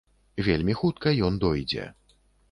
Вельмі хутка ён дойдзе.